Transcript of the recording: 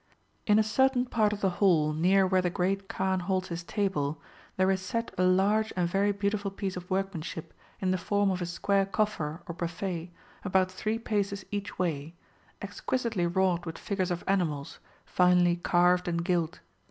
In a certain part of the hall near where the Great Kaan holds his table, there [is set a large and very beautiful piece of workmanship in the form of a square coffer, or buffet, about three paces each way, exquisitely wrought with figures of animals, finely carved and gilt.